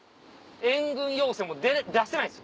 援軍要請も出せないんです。